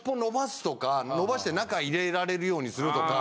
伸ばして中入れられるようにするとか。